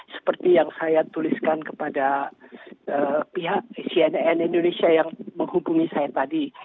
seperti yang saya tuliskan kepada pihak cnn indonesia yang menghubungi saya tadi